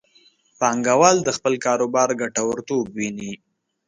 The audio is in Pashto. پانګوال د خپل کاروبار ګټورتوب ویني.